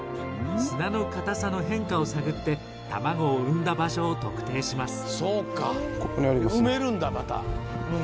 砂の固さの変化を探って卵を産んだ場所を特定します。